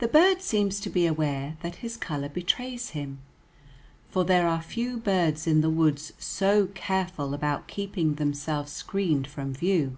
The bird seems to be aware that his color betrays him, for there are few birds in the woods so careful about keeping themselves screened from view.